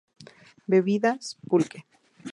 Bebidas: Pulque.